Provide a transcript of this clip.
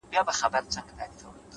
عاجزي د پوهې ښکلی ملګری ده’